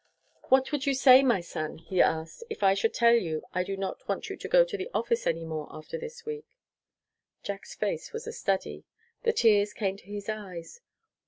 "What would you say, my son," he asked, "if I should tell you I do not want you to go to the office any more after this week?" Jack's face was a study. The tears came to his eyes.